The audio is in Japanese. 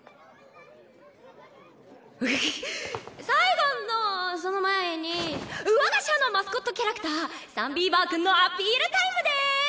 最後のその前に我が社のマスコットキャラクターサンビーバーくんのアピールタイムです！